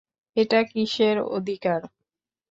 এটা কিসের অধিকার?